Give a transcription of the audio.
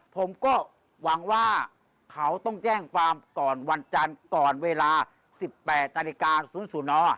ผมก็หวังว่าเขาต้องแจ้งความก่อนวันจันทร์ก่อนเวลา๑๘นาฬิกา๐๐